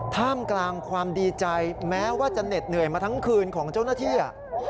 ท่ามกลางความดีใจแม้ว่าจะเหน็ดเหนื่อยมาทั้งคืนของเจ้าหน้าที่